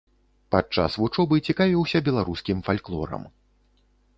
Падчас вучобы цікавіўся беларускім фальклорам.